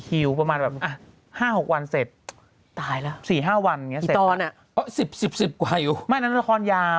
สิบอวันบ้า